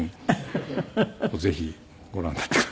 フフフフ。をぜひご覧になってください。